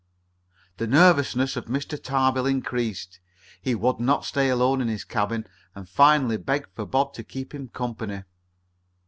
The nervousness of Mr. Tarbill increased. He would not stay alone in his cabin, and finally begged for Bob to keep him company.